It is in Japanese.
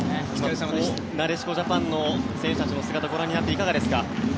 なでしこジャパンの選手たちの皆さんをご覧になっていかがですか？